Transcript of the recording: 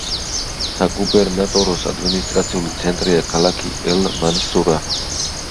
საგუბერნატოროს ადმინისტრაციული ცენტრია ქალაქი ელ-მანსურა.